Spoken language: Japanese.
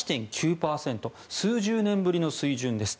数十年ぶりの水準です。